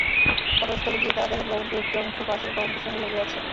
ঘটনাস্থলে গিয়ে তাঁরা দেখেন ভবনটির একটি অংশ পাশের ভবনটির সঙ্গে লেগে আছে।